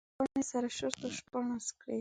احمد زما پاڼې سره شرت او شپاړس کړې.